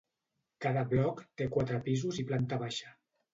Cada bloc té quatre pisos i planta baixa.